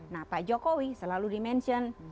nah pak jokowi selalu dimention